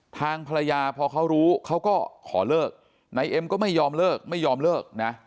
ทางภรรยาพอเขารู้เขาก็ขอเลิกนายเอ็มก็ไม่ยอมเลิกไม่ยอมเลิกนะ